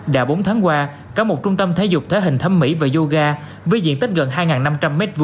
đã bốn tháng qua cả một trung tâm thể dục thể hình thẩm mỹ và yoga với diện tích gần hai năm trăm linh m hai